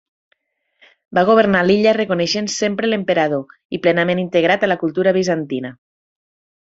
Va governar l'illa reconeixent sempre a l'emperador i plenament integrat a la cultura bizantina.